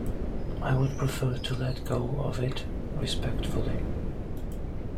I would prefer to let go of it, respectfully.